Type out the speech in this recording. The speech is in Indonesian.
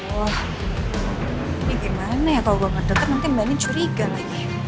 wah ini gimana ya kalau gue ngedeket mungkin bayangin curiga lagi